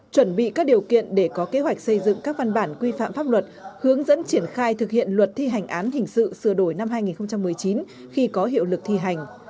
chuẩn bị các điều kiện để có kế hoạch xây dựng các văn bản quy phạm pháp luật hướng dẫn triển khai thực hiện luật thi hành án hình sự sửa đổi năm hai nghìn một mươi chín khi có hiệu lực thi hành